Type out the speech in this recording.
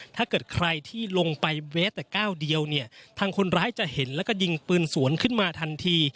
ถ้าเกิดใครที่ลงไปแม้แต่ก้าวเดียวเนี่ยทางคนร้ายจะเห็นแล้วก็ยิงปืนสวนขึ้นมาทันที